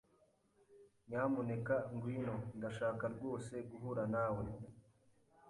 Nyamuneka ngwino. Ndashaka rwose guhura nawe.